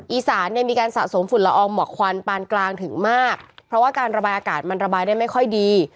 อีสานเนี่ยมีการสะสมฝุ่นละอองหมอกควันปานกลางถึงมากเพราะว่าการระบายอากาศมันระบายได้ไม่ค่อยดี